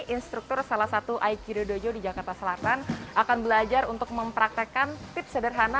instruktur salah satu aikido dojo di jakarta selatan akan belajar untuk mempraktekkan tips